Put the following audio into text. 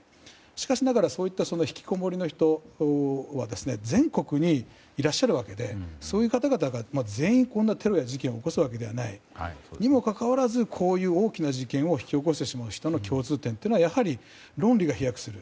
しかし、そういったひきこもりの人は全国にいらっしゃるわけでそういう方々が全員こんなテロや事件を起こすわけでもないにもかかわらず大きな事件を引き起こしてしまう人の共通点はやはり、論理が飛躍する。